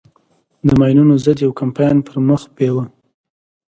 د ماينونو ضد يو کمپاين پر مخ بېوه.